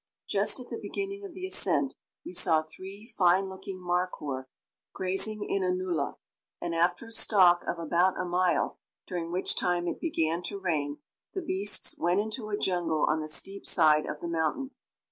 Just at the beginning of the ascent we saw three fine looking markhoor grazing in a nullah, and after a stalk of about a mile, during which time it began to rain, the beasts went into a jungle on the steep side of the mountain.